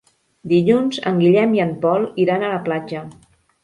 Dilluns en Guillem i en Pol iran a la platja.